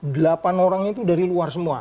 delapan orangnya itu dari luar semua